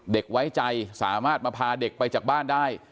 ไว้ใจสามารถมาพาเด็กไปจากบ้านได้